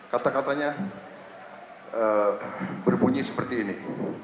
kata katanya berbunyi seperti ini